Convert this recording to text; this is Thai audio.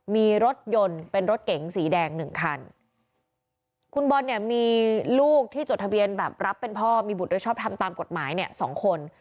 มีรถยนต์เป็นรถเก๋งสีแดงหนึ่งคันคุณบอลเนี่ยมีลูกที่จดทะเบียนแบบรับเป็นพ่อมีบุตรโดยชอบทำตามกฎหมายเนี่ยสองคน